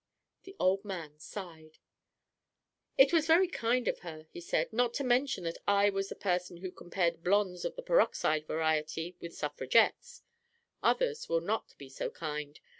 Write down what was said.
The old man sighed. "It was very kind of her," he said, "not to mention that I was the person who compared blondes of the peroxide variety with suffragettes. Others will not be so kind.